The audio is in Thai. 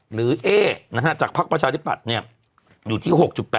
หรือเอ๊จากภักดิ์ประชาธิบัตรเนี่ยอยู่ที่๖๘๓